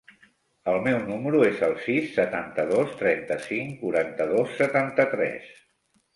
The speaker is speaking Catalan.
El meu número es el sis, setanta-dos, trenta-cinc, quaranta-dos, setanta-tres.